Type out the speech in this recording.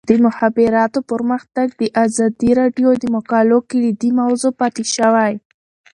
د مخابراتو پرمختګ د ازادي راډیو د مقالو کلیدي موضوع پاتې شوی.